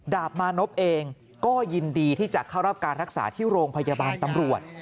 มานพเองก็ยินดีที่จะเข้ารับการรักษาที่โรงพยาบาลตำรวจ